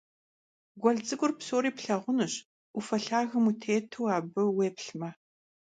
Guel ts'ık'ur psori plhağunuş 'Ufe lhagem vutêtu abı vuêplhme.